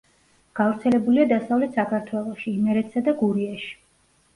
გავრცელებულია დასავლეთ საქართველოში, იმერეთსა და გურიაში.